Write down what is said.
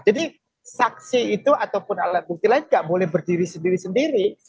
jadi saksi itu ataupun alat bukti lain tidak boleh berdiri sendiri sendiri